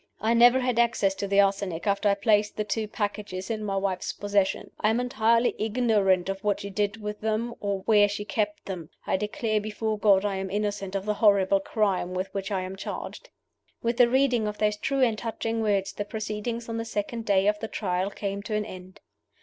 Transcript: I never had access to the arsenic after I placed the two packages in my wife's possession. I am entirely ignorant of what she did with them or of where she kept them. I declare before God I am innocent of the horrible crime with which I am charged." With the reading of those true and touching words the proceedings on the second day of the Trial came to an end.